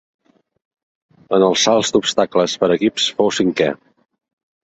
En els salts d'obstacles per equips fou cinquè.